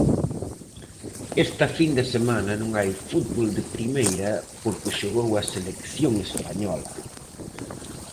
Esta fin de semana non hai fútbol de Primeira porque xogou a selección española.